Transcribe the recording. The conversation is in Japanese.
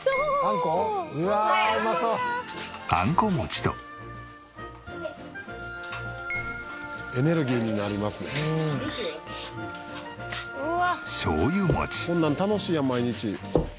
こんなん楽しいやん毎日。